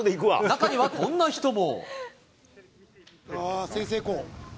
中にはこんな人も。